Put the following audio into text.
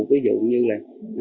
ví dụ như là